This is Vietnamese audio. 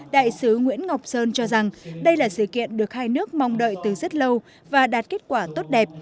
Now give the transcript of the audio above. đại sứ nguyễn ngọc sơn cho rằng đây là sự kiện được hai nước mong đợi từ rất lâu và đạt kết quả tốt đẹp